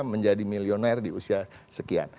menjadi milioner di usia sekian